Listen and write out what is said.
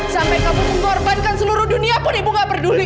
sampai kamu mengorbankan seluruh dunia pun ibu gak peduli